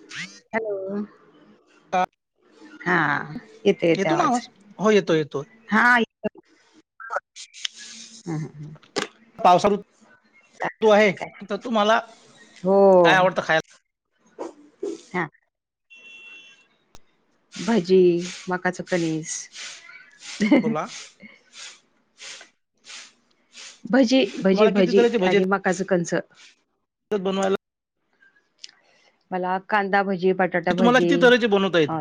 [inaudible] Hello! हा, येते येते येतो ना आवाज हो येतो येतो हा हम्, हम, हम पावसाळ आहे काय तर तुम्हाला हो काय आवडतं खायला ह भाजी माकाचा कनीस बोला भजी, भजी, तुम्हाला किती भजी तऱ्हेचे आणि मकाचं कंस बनवायला [unintelligible] मला कांदा भजी, बटाटा तुम्हाला भजी किती तऱ्हेचे बनवता येतात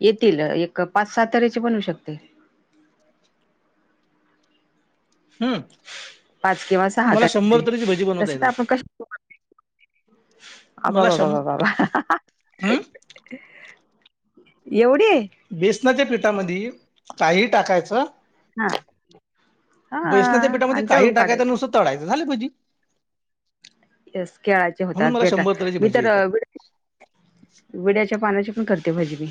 येतील, एक पाच सहा तऱचे बनू शकते. हम्म. पाच किंवा सहा मला शंभर तारखे तऱ्हेची भजी बनवता तस तर येतात आपण क [unintelligible] मला शं अबाबाबाबाबाबा हं? एवढी बेसनाच्या पिठामध्ये काही टाकायचं हा हा बेसनाच्या पिठामध्ये आणि काही तळून टाकायच काढायचं नुसत तळायचं, झालं भजी. स खेळाचे म्हणून होतात मला बेटा शंभर तऱ्हेची मी भजी तर येतात [unintelligible] विड्याच्या पानाची पण करते भाजी मी.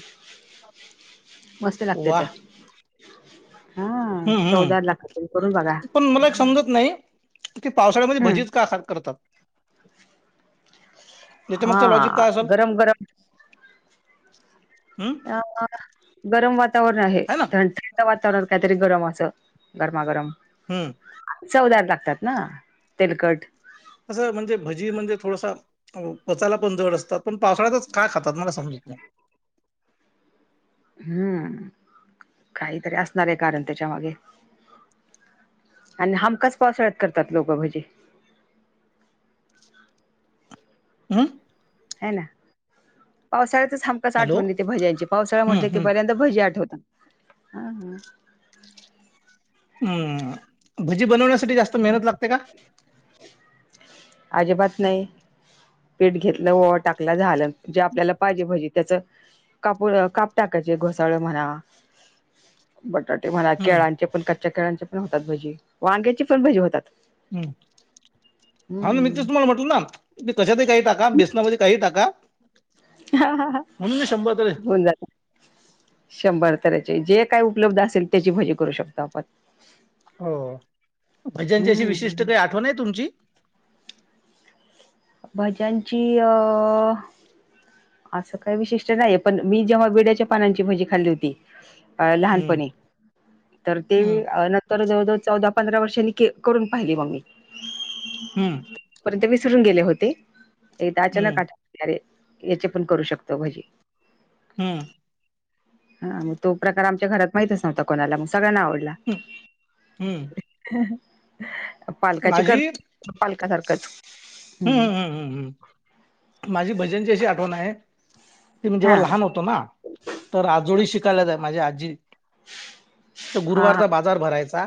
मस्त लागते वा तर हम्म, लाखापर्यंत करून बघा हम्म, पण मला एक समजत नाही ते पावसाळ्यामध्ये हम्म. भजी का करतात? याच्या हा, मागचं लॉजिक काय असेल गरम, गरम हम्म अ गरम वातावरण आहे, थंड वातावरण काहीतरी गरम असं, गरमागरम हम्म. चवदार लागतात ना, तेलकट असं, म्हणजे भजी म्हणजे थोडसा पचायला पण जड असतात, पण पावसाळ्यातच काय खातात मला समजतलं हम्म, काहीतरी असणार आहे कारण त्याच्या मागे. आणि हमखास पावसाळ्यात करतात लोक भजी. हं. हे ना, पावसाळ्यातच हमखास हॅलो आठवण येते भज्यांची पावसाळ्या हम्म म्हटल की हम्म भजी आठवत. हम्म, भजी बनवण्यासाठी जास्त मेहनत लागते का अजिबात नाही. पीठ घेतलं व ओवा टाकलं झालं, जे आपल्याला पाहिजे भाजी त्याच कापून काप टाकायचे घोसाळ म्हणा बटाटे म्हणा, हम्म केळांचे पण कच्च्या केळांचे पण होतात भजी, वांग्याची पण भजी होतात. हम, हाव ना मी हम्म तेच तुम्हाला म्हंटलं तू ना, मी कशाातही काही टाका, बेसनामध्ये काही टाका. हा, हा, हा म्हणून मी शंभर तरी होन जात. शंभर तऱ्हेचे, जे काय उपलब्ध असेल त्याची भजी करू शकतो आपण. हो, भाज्यांची अशी हम्म विशिष्ट काही आठवण आहे तुमची? भज्यांची अ असं काही विशिष्ट नाही, पण मी जेव्हा वीड्याच्या पानांची भजी खाल्ली होती. अ हम्म लहानपणी, तर ते हम्म तर जवळजवळ, चौदा, पंधरा, वर्षांनी करून पाहिली मग मी. हम्म. परंतु विसरून गेले होते, एकदा हम्म अचानक याचे पण करू शकतो भाजी हम्म हा मग तो प्रकार आमच्या घरात माहितच नव्हता कोणाला मग सगळ्यांना आवडला ह हम्म पालकाची कर माझी पालकासारखंच हम्, हम्म, हम्, हम्म, हम्म माझी भजनची अशी आठवण आहे. ते मी हा जेव्हा लहान होतो ना, तर आजोळी शिकायला जाई माझी आजी हा हा गुरुवारचा बाजार भरायचा.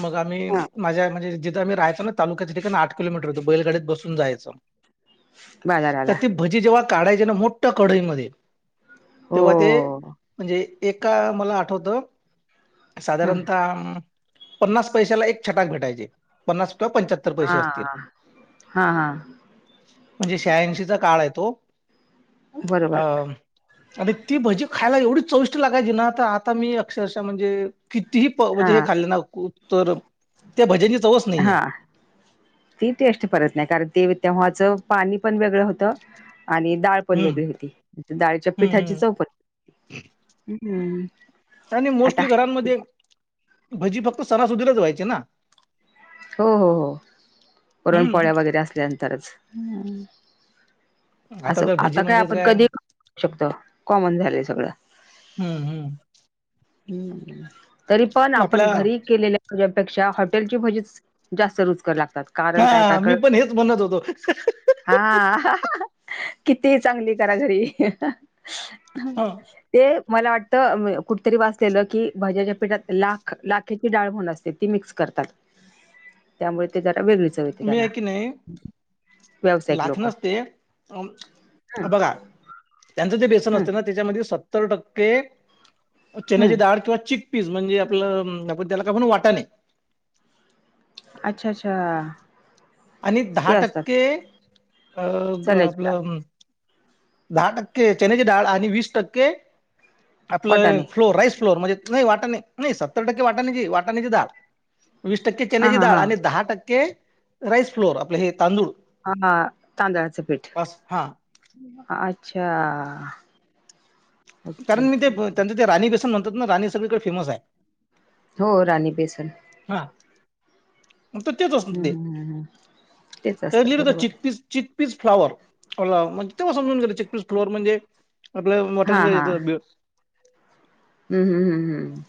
मग आम्ही, हा माझ्या म्हणजे जिथे आम्ही राहायचं ना ता तालूक्याच्या ठिकाणी आठ कीलोमीटर होत बैलगा बसून जायचं तर बाजारला ती भजी जेव्हा काढायचे ना मोठ कढईमध्येध्ये हो तेव्हा ते म्हणजे एका मला आठवत हा साधारणतः पन्नास पैशला एक छटक भेटयचे प्नास किंवा पंच्यात्तर हा हा हा म्हणजे शहाऐंशीचा काळ आहे तो अ बरोबर अरे ती भजी खायला एवढी चौविष्ट लागायची ना तर आता मी अक्षरशः म्हणजे कितीही हा म्हणजे हे खाल्ले ना तर त्या भज्यां हा ती टेस्ट परत नाही कारण ते तेव्हाच पाणी पण वेगळं होतं आणि ाळ च हम्म वेगळी होती डाळीच्या हम्म पिठाची हम्म चौप आणि मोस्टली घरांमध्ये भजी फक्त सणासुधरच व्हायचे ना हो हो हो पुरण पोळ्या हम्म वगैरे असल्यानंतरच हम्म. असं तर भजी आता काय म्हणजेच आपण कधी करू शकतो कॉमन झाले सगळं हम्म हम्म हम्म तरी पण आपला आपण घरी केलेल्या त्या्यापेक्षा हॉटेलची भजीच जास्त रुचकर लागतात कारण काय काय हा मी कळत पण हेच म्हणत होतो हा किती चांगली करा घरी हं, ते मला वाटतं कुठ री वाचलेलं की भज्याच्या पीठात लाख लाखेची डाळ म्हण असते ती मिक्स करतात त्यामुळे ते जरा वेगळीच चव त्याला व्यावसायिक लाख लोक. नसते हम्म बघा त्यांचं जे बेसन हम्म असते ना त्याच्यामध्ये सत्तर टक्के चेन्नची हम्म डाळ किंवा चीक ी म्हणजे आपलं त्याला काय म्हण वाटाने नाही अच्छा अच्छा आणि दहा ते असतात टक्के अ चण्याची डाळ आपलं दहा टक्के चनेची डाळ आणि वीस टक्के आपलं वाटाणे फ्लोर राईस फ्लोअर म्हणजे नाही वाटा नाही सत्तर टक्के वाटाणीची वाटाण्याची दाार वीस टक्के हा चनची हा डाळ हा. आणि दहा टक्के राईस फ्लोअर आपले हे तांदूळ हा तांदळाचं पीठ अस हा अच्छा कारण ओके मी ते ओके त्यांचं ते राणी बेसन म्हणतात ना राणी सगळीकडे फेमस आहे हो राणी बेसन हा त तेच हम्म ते हम्म हम्म हम्म तेच त्या असतं लिलं बरोबर चितप च पीस फ्लॉवर तेव्हा समजून गे फ्लवर म्हणजे आप हा ेत [inaudible] हम् हम हम हम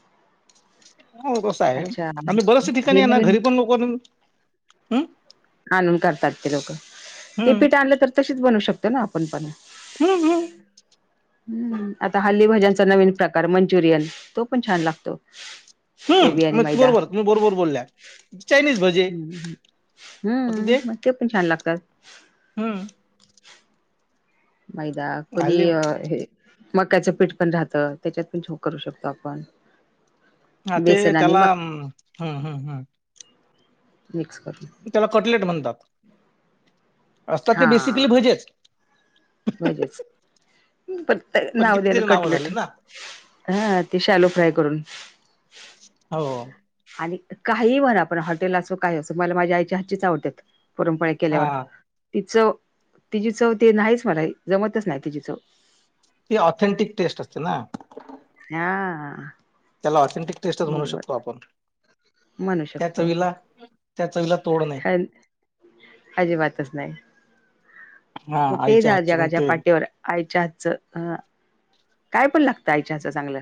हो तसं आहे आम्ही बर्याच ठिकाणी हे ये ना नवीन घरी पण लोक ह् आणून करतात ते लोक ते हम्म पीठ आणलं तर तशीच बनवू शकतो ना आपण पण हम्म हम्म. हम्म आता हल्ली भाज्यांचा नवीन प्रकार मंचुरियन तो पण छान लागतो. कोबी हम्म आणि मग तू मैदा बरोबर तुम्ही बरोबर बोलल्या चायनीज भजे हम्म मग ते पण छान लागतात. हम्म. मैदा कोणी हल्ली हे मकाचं पीठ पण राहतं त्याच्यात पण छोक करू शकतो आपण ह ते बेसन आणि त्याला मका हम्म हम्म हम्म मिक्स करून त्याला कटलेट म्हणतात तर ते हा बेसिकली भजेच. भजेच. पण नाव द्याला कितीतरी नावं झाली कटलट ना हा ते शालो फ्राय करून. हो. आणि काही मना आपण हॉटेल असो काही असो मला माझ्या आईच्या हातचीच आवडत पुरणपोळ्या केल्यावर हा ति चव तिची चव ते नाहीच मला जमतच नाही तिची चव. ती ऑथेंटिक टेस्ट असतेना. हा. त्याला ऑथेंटिक टेस्टच म्हणू बरोबर शकतो आपण त्या चवीला, त्या चवीला तोड नाही ख अजिबातच नाही. हा कुठेही आईच्या जा हातची मग जगाच्या ते पाठीवर आईच्या हातचं अ काय पण लागतं आईच्या हच चांगल.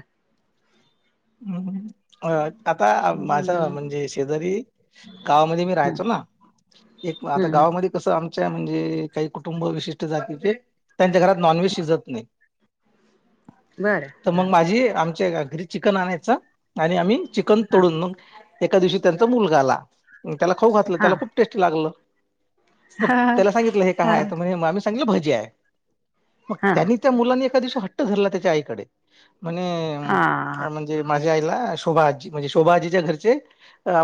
हम्म आता माझा हम्म म्हणजे शेजारी गावामध्ये मी हम्म राहायचोना एक आता हम्म गावामध्ये कसं आमच्या म्हणजे काही कुटुंब विशिष्ट जातीचे त्यांच्या घरात नॉनव्हेज शिजत नाही. नाय. तर मग माझी आमच्या घरी चिकन आणायच आणि आम्ही चिकन तोडून मग एका दिवशी त्यांचा मुलगा आला त्याला खाऊ घातलं हा त्याला खूप टेस्टी लागलं. मग हा त्याला सांगितलं हे हा काय म्हणे भजे आहे हा त्यांनी त्या मुलानी एका दिवशी हट्ट धरला त्याच्या आईकडे म्हणे हा म्हणजे माझ्या आईला शोभाजी म्हणजे शोभाजीच्या घरचे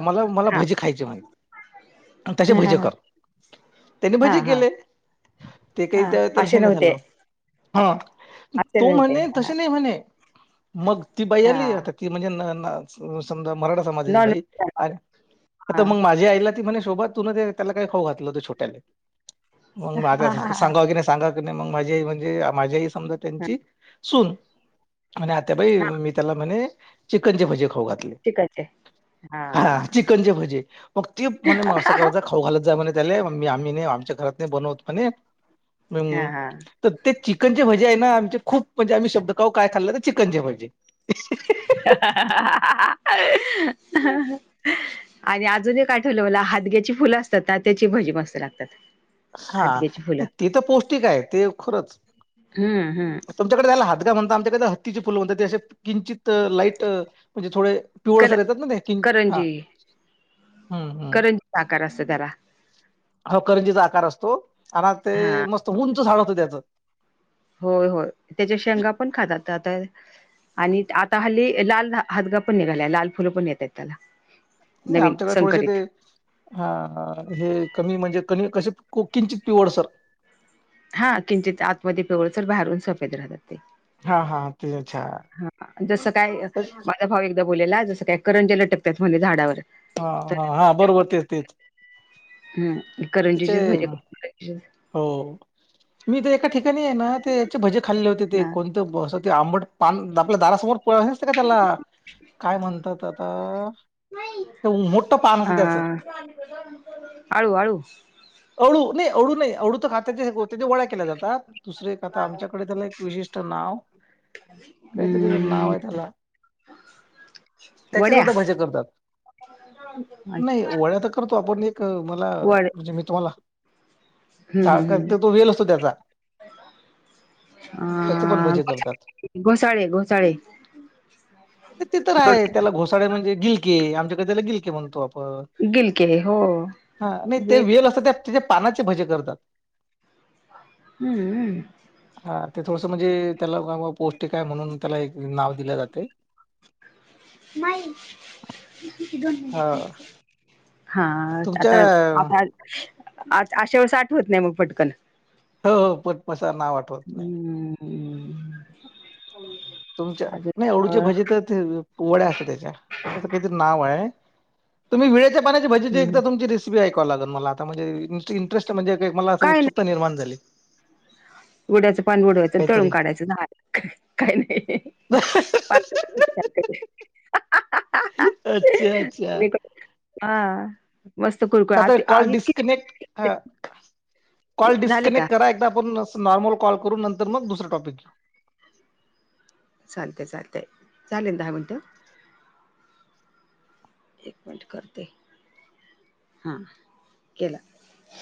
मला मला हा भजी खायचे म्हणे तसे हा भजे कर. त्यानी हा भजी हा केले ते काही हा त्या त्याला असे हेन नव्हते झालं हा असे तो नव्हते म्हणे हा तसे नाही म्हणे. मग ती बाई आली हा आता ती म्हणजे समजा मराठा समाजाची नॉन बाई व्हेज हा आता मग माझ्या आईला ती म्हणे शोभा त त्याला काही खाऊ घातलं होत छोट्याले हा मग हा हा सांगा की नाही सगा माझी आई म्हणजे माझी आई समजा त्यांची सून आत्याबाई त्याला म्हणे चिकनचे भजे खाऊ घातले. चिकनचे हा चिकनचे भजी मग ते म्हणे मग असं करत जा खाऊ घालत जाय म्हणे त्याले मी आम्ही नाही आमच्या घरात नाही बनवत म्हणे हा म हा तर ते चिकनचे भजे आहे ना आमचे खूप म्हणजे आम्ही शब्द काहो काय खाल्लं तर चिकनचे भजे. [unintelligible] आणि अजून एक काय आठवलं मला हादग्याची फुलं असतात ना त्याची भजी मस्त लागतात. हा हादग्याची फुलं ते तर पौष्टिक आहे ते खरच. हम्म हम्म तुमच्याकडे जायला हातगा म्हणता आमच्याकडे हत्तीचे फुल म्हणतात तेे किंचित लाईट म्हणजे थोडे कल पीवळसर येतात ना ते कि हा. करंजी हम्म हम्म करंजीचा आकार असतो त्याला. ह करंजीचा आकार असतो आणि ते हा मस्त उंच झाड होतं त्याच. होय होय त्याच्या शेंगा पण खातात आता आणि आता हल्ली लाल हदगा पण निघाला लाल फुलं पण येतात त्याला. नवीन आमच्याकडे थोडेसे संकरत. ते हा हे कमी म्हणजे कमी कसे किंचित पिवड सर. हा किंचित आतमध्ये पिवळसर बाहेरून सोपेत राहतात ते. हा हा ते अच्छा. हा जस काय. तर- भाव एकदा बोलेला जसं काय करंज्या लटकतात म्हणे झाडावर. हा तर हा हा बरोबर तेच, तेच. हम्म ते त्याचे करंजीचेच भजे हो मी तर एका ठिकाणी आहे ना ते याचे भजे खाल्ले होते ते हा. कोण आंबट पान आपल्या दारासमोर. पळसत का त्याला काय म्हणतात आता. मोठं पान असते त्याचं. [unintelligible] आळू आळू. अळू नाही अळू नाही अळू तर खात. त्या ळ्या केल्या जातात दुसरे एक आता आमच्याकडे त्याला एक विशिष्ट नाव कायतरी हम्म नावयतल. त्याचे वड्या सुद्धा भजन करतात. नाही ओळ्या तर करतो आपण एक मला वड म्हणजे मी तुम्हाला. हम्म झाळ हम्म हम्म तो वेल असतो त्याचा. त्याचे पण अ भजे करतात. घोसाळे घोसाळे ते तर आहे त्याला घोसाळे म्हणजे गिलके आमच्याक त्याला गिलके म्हणतो आप. गिलके हो नाही ते व. वेल असतात त्या त्याच्या पानाचे भजे करतात. हम्मम्म. हा ते थोडसं म्हणजे त्याला पौष्टिक आहे म्हणून त्याला एक नाव दिले जाते. मायन. हा हा तुमच्या आता आता अशे वेळेस आठवत नाही मग पटकन. हो पटमसा ना आठवत नाही. हम्म तुमच्या नाही आवढूचे अजून भजे तर. वड्या असत त्याच्या तसं काहीतरी नाव आहे तुम्ही विळेच्या पाण्याची भजी एकदा तुमची. र ऐ म इं काय नाही म्हणजेत्सुकता निर्माण झाली. उड्याचं पाणी उडवायचं तळून काहीतरी. काढायचं झा काही नाही. ह. [unintelligible] अच्छा अच्छा. हा. त कॉल डिसकनेक्ट लागते अ. की कॉल झाले का? डिस्कनेक्ट करा एकदा आपण नॉर्मल कॉल करू नंतर मग दुसरं टॉपिक घेऊ. चालतेय चालतंय चालेल दहा मिनटं. एक मिनट करते हा केला.